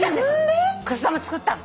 くす玉作ったの。